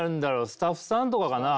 スタッフさんとかかな？